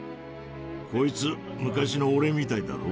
こいつ昔の俺みたいだろ？